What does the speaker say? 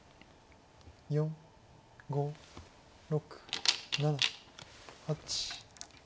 ４５６７８。